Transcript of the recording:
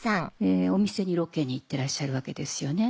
お店にロケに行ってらっしゃるわけですよね。